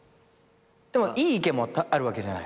でもいい意見もあるわけじゃない？